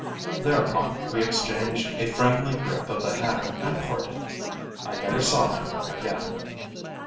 Thereupon we exchanged a friendly grip of the hand and parted. I never saw him again.